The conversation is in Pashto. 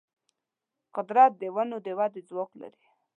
قدرت د ونو د ودې ځواک لري.